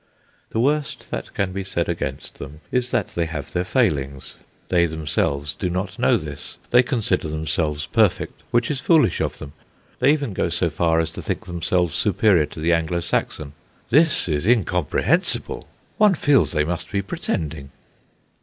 The worst that can be said against them is that they have their failings. They themselves do not know this; they consider themselves perfect, which is foolish of them. They even go so far as to think themselves superior to the Anglo Saxon: this is incomprehensible. One feels they must be pretending.